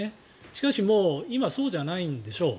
しかし、もう今はそうじゃないんでしょう。